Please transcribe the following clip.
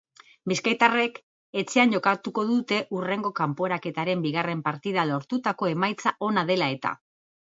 Bizkaitarrek etxean jokatuko dute hurrengo kanporaketaren bigarren partida lortutako emaitza ona dela eta.